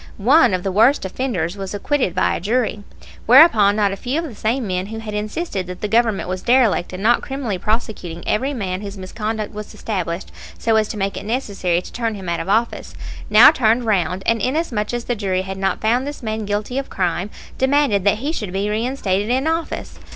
One of the worst offenders was acquitted by a jury; whereupon not a few of the same men who had insisted that the Government was derelict in not criminally prosecuting every man whose misconduct was established so as to make it necessary to turn him out of office, now turned round and, inasmuch as the jury had not found this man guilty of crime, demanded that he should be reinstated in office!